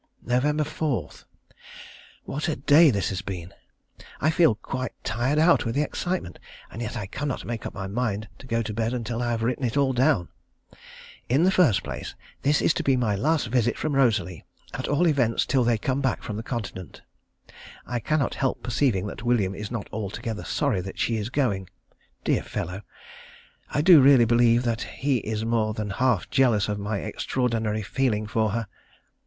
Nov. 4. What a day this has been! I feel quite tired out with the excitement, and yet I cannot make up my mind to go to bed until I have written it all down. In the first place, this is to be my last visit from Rosalie, at all events till they come back from the continent. I cannot help perceiving that William is not altogether sorry that she is going. Dear fellow! I do really believe that he is more than half jealous of my extraordinary feeling for her.